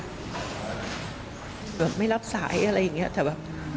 แบบไม่รับสายอะไรอย่างนี้แต่แบบ